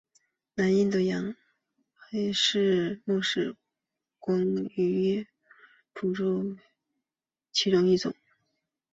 南印度洋穆氏暗光鱼为辐鳍鱼纲巨口鱼目褶胸鱼科的其中一种。